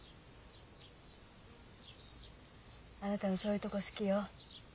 あなたのそういうとこ好きよ。